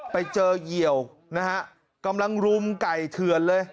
ไปเจอเหยียวนะฮะกำลังรุมไก่เถื่อนเลย